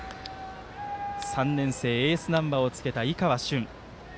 ３年生、エースナンバーをつけた井川駿。